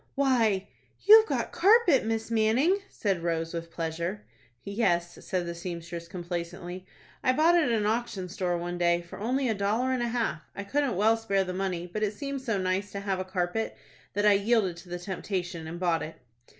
"Why, you've got a carpet, Miss Manning!" said Rose, with pleasure. "Yes," said the seamstress, complacently; "I bought it at an auction store one day, for only a dollar and a half. I couldn't well spare the money; but it seemed so nice to have a carpet, that I yielded to the temptation, and bought it."